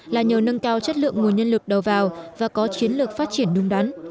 là nhờ nâng cao chất lượng nguồn nhân lực đầu vào và có chiến lược phát triển đúng đắn